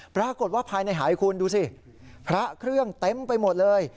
ปรากฏว่าภายในหายคุณดูสิพระเครื่องเต็มไปหมดเลย